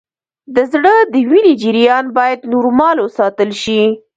د زړه د وینې جریان باید نورمال وساتل شي